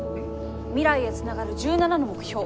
未来へつながる１７の目標。